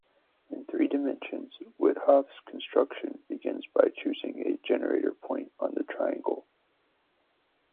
In three dimensions, Wythoff's construction begins by choosing a "generator point" on the triangle.